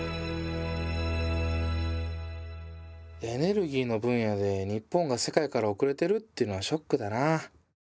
エネルギーの分野で日本が世界からおくれているっていうのはショックだな。